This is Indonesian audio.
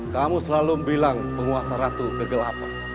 kamu selalu bilang penguasa ratu degel apa